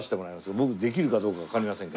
僕できるかどうかわかりませんが。